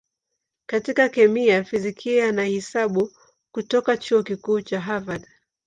katika kemia, fizikia na hisabati kutoka Chuo Kikuu cha Harvard.